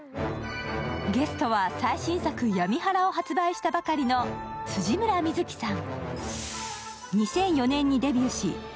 ゲストは最新作「闇祓」を発売したばかりの辻村深月さん。